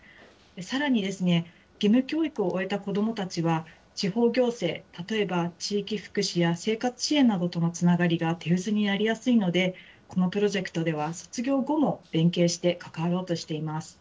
さらにですね、義務教育を終えた子どもたちは、地方行政、例えば地域福祉や生活支援などとのつながりが手薄になりやすいので、このプロジェクトでは卒業後も連携して関わろうとしています。